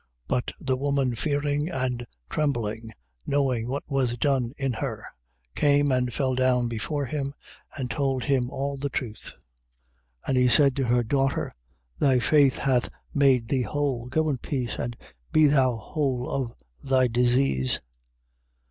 5:33. But the woman fearing and trembling, knowing what was done in her, came and fell down before him, and told him all the truth. 5:34. And he said to her: Daughter, thy faith hath made thee whole: go in peace, and be thou whole of thy disease.